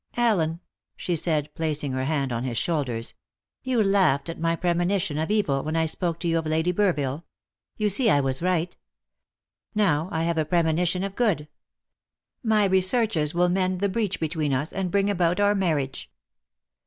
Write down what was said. Allen," she said, placing her hands on his shoulders, "you laughed at my premonition of evil when I spoke to you of Lady Burville. You see I was right. Now I have a premonition of good. My researches will mend the breach between us, and bring about our marriage."